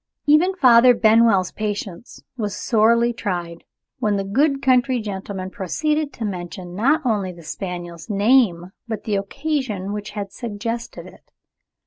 Even Father Benwell's patience was sorely tried when the good country gentleman proceeded to mention not only the spaniel's name, but the occasion which had suggested it.